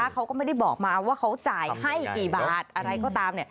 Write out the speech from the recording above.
เขาก็ไม่ได้บอกมาว่าเขาจ่ายให้กี่บาทอะไรก็ตาม